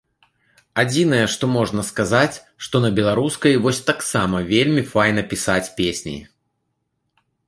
Адзінае, што можна сказаць, што на беларускай вось таксама вельмі файна пісаць песні.